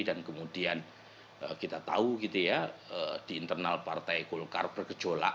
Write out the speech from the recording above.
dan kemudian kita tahu gitu ya di internal partai golkar bergejolak